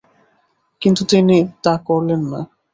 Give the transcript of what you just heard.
কিন্তু তিনি তা করলেন না।